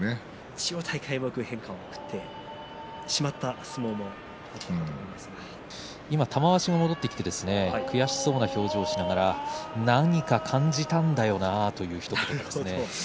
千代大海もよく変化を食ってしまった相撲が今、玉鷲が戻ってきて悔しそうな表情をしながら何か感じたんだよなというひと言です。